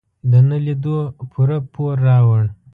د نه لیدو پوره پور راوړ.